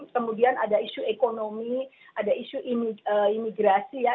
kemudian ada isu ekonomi ada isu imigrasi ya